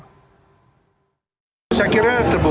saya kira terbuka